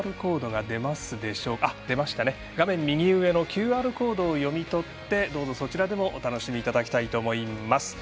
画面右上のＱＲコードを読み取ってどうぞ、そちらでもお楽しみいただきたいと思います。